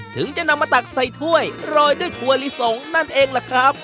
ถึงจะนำมาตักใส่ถ้วยโรยด้วยถั่วลิสงนั่นเองล่ะครับ